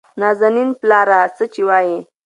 نازنين : پلاره څه چې وايې؟